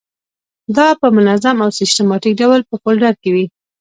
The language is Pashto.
دا په منظم او سیستماتیک ډول په فولډر کې وي.